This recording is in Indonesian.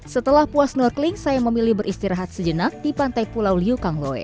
setelah puas snorkeling saya memilih beristirahat sejenak di pantai pulau liukangloe